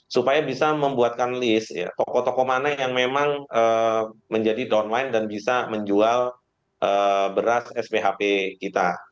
supaya bisa membuatkan list toko toko mana yang memang menjadi downline dan bisa menjual beras sphp kita